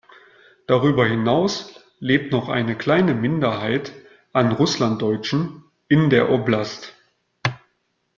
Darüber hinaus lebt noch eine kleine Minderheit an Russlanddeutschen in der Oblast.